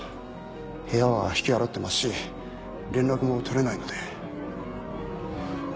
部屋は引き払ってますし連絡も取れないので。